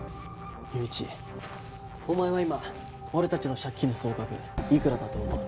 友一お前は今俺たちの借金の総額いくらだと思う？